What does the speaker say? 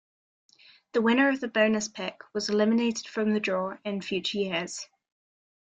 The winner of the "bonus pick" was eliminated from the draw in future years.